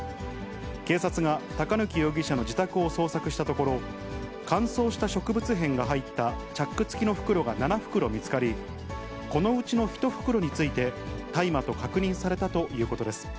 警察が高貫容疑者の自宅を捜索したところ、乾燥した植物片が入ったチャック付きの袋が７袋見つかり、このうちの１袋について、大麻と確認されたということです。